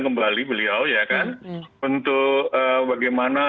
kembali beliau ya kan untuk bagaimana